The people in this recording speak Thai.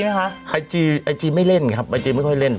ห้ะมีวางไอจีไหมคะไอจีไม่เล่นครับไอจีไม่ค่อยเล่น